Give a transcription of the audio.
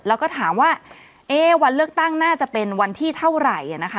แล้วก็ถามว่าวันเลือกตั้งน่าจะเป็นวันที่เท่าไหร่นะคะ